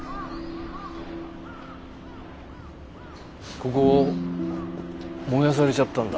ここ燃やされちゃったんだ。